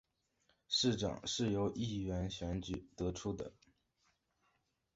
市长是由议员选举得出的。